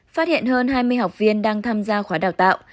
phát hiện hơn hai mươi học viên đang tham gia khóa đào tạo